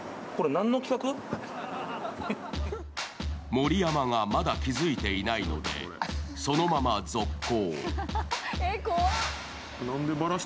盛山がまだ気付いていないので、そのまま続行。